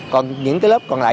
còn những lớp còn lại